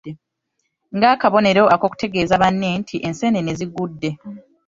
Ng'akabonero ak'okutegeeza banne nti enseenene zigudde.